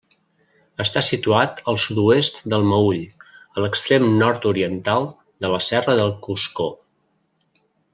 Està situat al sud-oest del Meüll, a l'extrem nord-oriental de la Serra del Coscó.